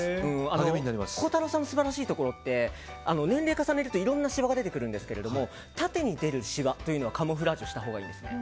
孝太郎さんの素晴らしいところって年齢を重ねるといろんなしわが出てくるんですけど縦に出るしわというのはカムフラージュしたほうがいいんですね。